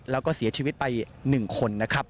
แล้วก็เสียชีวิตไป๑คนนะครับ